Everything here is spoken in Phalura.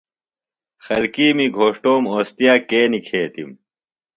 خلکِیمی گھوݜٹوم اوستِیا کے نِکھیتِم؟